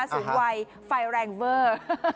สูงวัยไฟแรงเวอร์